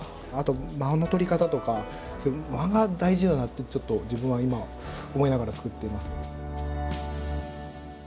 あと間の取り方とか間が大事だなって自分は今思いながら作っています。